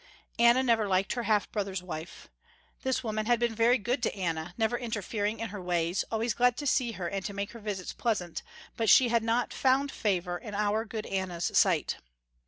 Anna never liked her half brother's wife. This woman had been very good to Anna, never interfering in her ways, always glad to see her and to make her visits pleasant, but she had not found favour in our good Anna's sight.